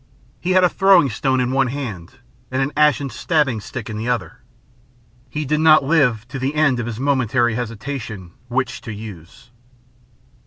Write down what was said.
He had a throwing stone in one hand and an ashen stabbing stick in the other. He did not live to the end of his momentary hesitation which to use.